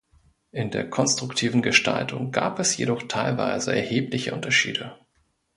In der konstruktiven Gestaltung gab es jedoch teilweise erhebliche Unterschiede.